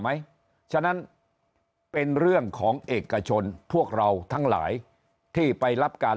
ฉะนั้นเป็นเรื่องของเอกชนพวกเราทั้งหลายที่ไปรับการ